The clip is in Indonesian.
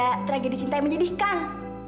maka akan ada tragedi cinta yang menjadikan